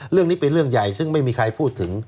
เรื่องนี้เป็นเรื่องใหญ่ซึ่งไม่มีใครพูดถึง